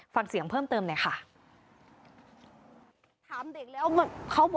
ฟังเสียงเพิ่มเติมหน่อยค่ะ